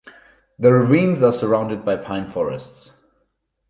The ravines are surrounded by pine forests.